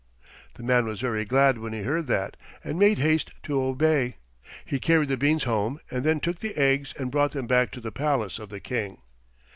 The man was very glad when he heard that, and made haste to obey. He carried the beans home and then took the eggs and brought them back to the palace of the King.